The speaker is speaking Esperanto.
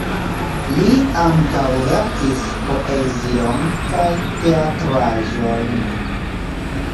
Li ankaŭ verkis poezion kaj teatraĵojn.